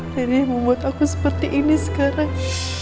riri yang membuat aku seperti ini sekarang